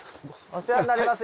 お世話になります。